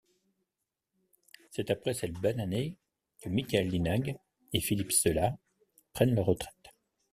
C’est après cette belle année que Michael Lynagh et Philippe Sella prennent leur retraites.